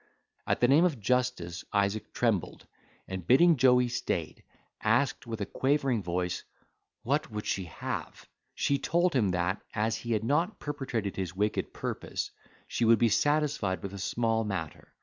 At the name of justice Isaac trembled, and bidding Joey stay, asked with a quavering voice, "What she would have? She told him that, as he had not perpetrated his wicked purpose, she would be satisfied with a small matter.